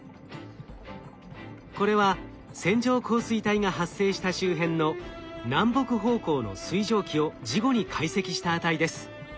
これは線状降水帯が発生した周辺の南北方向の水蒸気を事後に解析した値です。